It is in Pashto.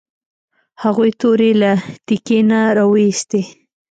هغوی تورې له تیکي نه راویوستې.